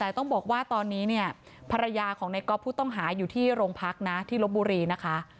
แต่ต้องบอกตอนนี้ภรรยาของก็ผู้ต้องหาอยู่ที่โรงพักษณ์ที่ลบบุรีนะคะ